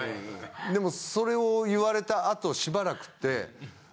でもそれを言われたあとしばらくって。